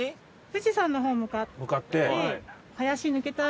富士山の方向かって林抜けた。